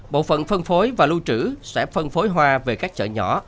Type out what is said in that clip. bộ phận phân phối và lưu trữ sẽ phân phối hoa về các chợ nhỏ